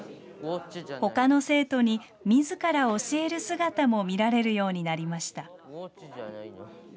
ほかの生徒に、みずから教える姿も見られるようになりました。